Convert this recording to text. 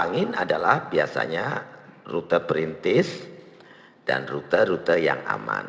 angin adalah biasanya rute perintis dan rute rute yang aman